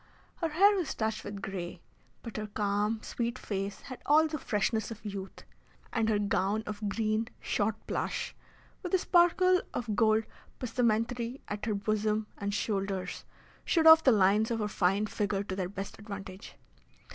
Her hair was touched with grey, but her calm, sweet face had all the freshness of youth, and her gown of green shot plush, with a sparkle of gold passementerie at her bosom and shoulders, showed off the lines of her fine figure to their best advantage.